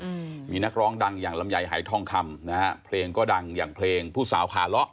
อืมมีนักร้องดังอย่างลำไยหายทองคำนะฮะเพลงก็ดังอย่างเพลงผู้สาวขาเลาะ